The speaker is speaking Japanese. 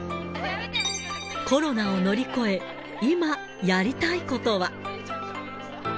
コロナを乗り越え、今、やりたいことは。